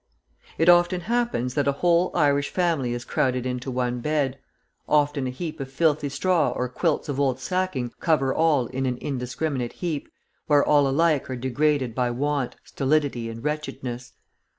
It often happens that a whole Irish family is crowded into one bed; often a heap of filthy straw or quilts of old sacking cover all in an indiscriminate heap, where all alike are degraded by want, stolidity, and wretchedness.